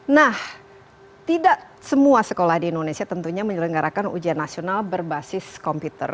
nah tidak semua sekolah di indonesia tentunya menyelenggarakan ujian nasional berbasis komputer